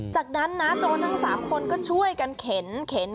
จากนั้นนะโจรทั้ง๓คนก็ช่วยกันเข็น